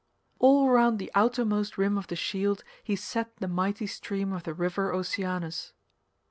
All round the outermost rim of the shield he set the mighty stream of the river Oceanus.